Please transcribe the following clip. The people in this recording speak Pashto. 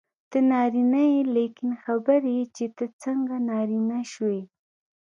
ته نارینه یې لیکن خبر یې چې ته څنګه نارینه شوې.